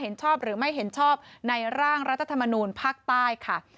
เห็นชอบหรือไม่เห็นชอบในร่างรัฐธรรมนูลภาคใต้ค่ะ